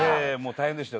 大変でしたよ。